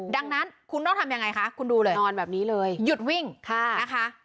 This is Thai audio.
ดังนั้นคุณต้องทำยังไงคะคุณดูเลยนอนแบบนี้เลยหยุดวิ่งนะคะ